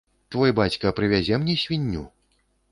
Твой бацька прывязе мне свінню?